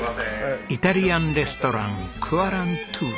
イタリアンレストラン「クアラントゥーノ」。